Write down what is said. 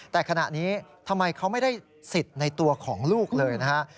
แต่ขณะนี้ทำไมเขาไม่ได้สิทธิ์ในตัวของลูกเลยนะฮะ